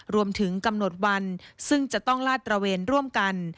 รวมถึงกำหนดวันซึ่งจะต้องลาดตระเวนร่วมกัน